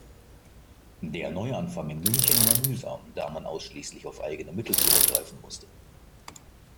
Der Neuanfang in München war mühsam, da man ausschließlich auf eigene Mittel zurückgreifen musste.